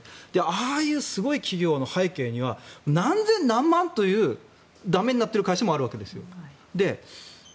ああいうすごい企業の背景には何千、何万という駄目になっている会社もあるわけですよ。